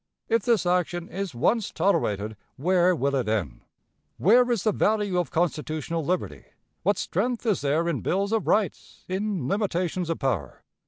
If this action is once tolerated, where will it end? Where is the value of constitutional liberty? What strength is there in bills of rights in limitations of power?